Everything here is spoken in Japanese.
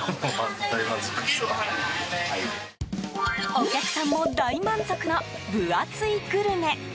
お客さんも大満足の分厚いグルメ。